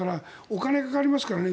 お金がかかりますからね